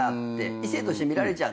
異性として見られちゃう。